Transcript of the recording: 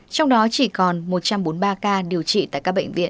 trong đó chỉ còn một trăm bốn mươi ba ca